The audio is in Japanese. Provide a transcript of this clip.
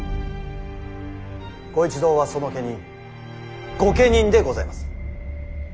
ご一同はその家人御家人でございます。